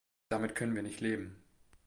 Damit können wir nicht leben.